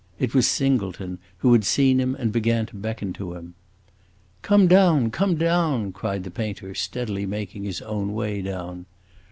It was Singleton, who had seen him and began to beckon to him. "Come down come down!" cried the painter, steadily making his own way down.